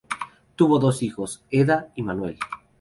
Tuvo dos hijos: Edda y Manuel.